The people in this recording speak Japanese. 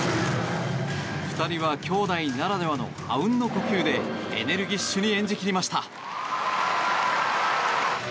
２人は姉弟ならではのあうんの呼吸でエネルギッシュに演じ切りました。